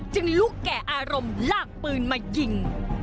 ลูกแก่อารมณ์ลากปืนมายิง